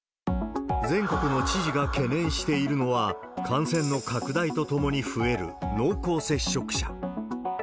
全国の知事が懸念しているのは、感染の拡大とともに増える濃厚接触者。